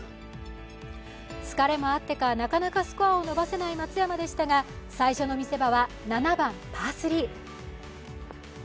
疲れもあってか、なかなかスコアを伸ばせない松山でしたが最初の見せ場は７番パー３。